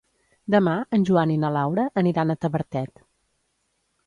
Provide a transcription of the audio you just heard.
Demà en Joan i na Laura aniran a Tavertet.